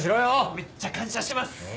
めっちゃ感謝してます！